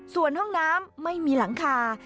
ส่วนห้องน้ำไม่มีหลังคา